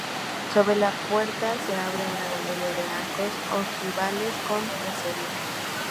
Sobre la puerta se abre una galería de arcos ojivales con tracería.